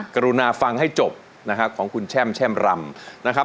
กรุณาฟังให้จบนะครับของคุณแช่มแช่มรำนะครับ